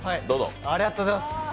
ありがとうございます